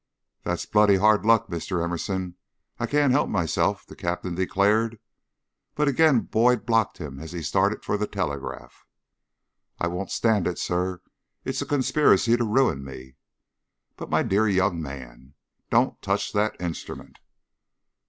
"That's bloody hard luck, Mr. Emerson; I can't help myself," the Captain declared. But again Boyd blocked him as he started for the telegraph. "I won't stand it, sir. It's a conspiracy to ruin me." "But, my dear young man " "Don't touch that instrument!"